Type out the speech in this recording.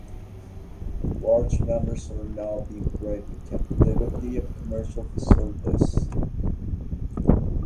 Large numbers are now being bred in captivity at commercial facilities.